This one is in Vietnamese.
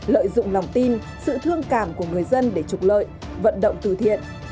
lợi dụng lòng tin sự thương cảm của người dân để trục lợi vận động từ thiện